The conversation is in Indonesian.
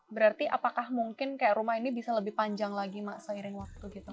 berarti apakah mungkin kayak rumah ini bisa lebih panjang lagi mak seiring waktu gitu